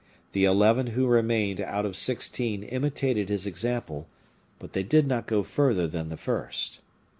The eleven who remained out of sixteen imitated his example; but they did not go further than the first.